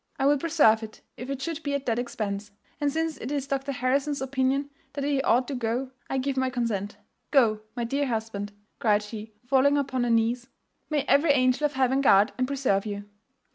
'I will preserve it if it should be at that expense; and since it is Dr Harrison's opinion that he ought to go, I give my consent. Go, my dear husband,' cried she, falling upon her knees: 'may every angel of heaven guard and preserve you!